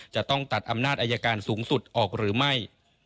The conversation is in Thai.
จะต้องตัดอำนาจอายการสูงสุดออกหรือไม่